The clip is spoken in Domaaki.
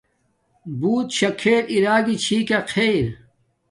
بݸُت شݳ کھݵل اِرݵ چھݳئَکݳ خݵر.